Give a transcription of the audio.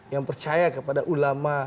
yang percaya kepada ulama